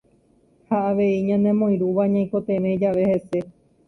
Ha avei ñanemoirũva ñaikotevẽ jave hese.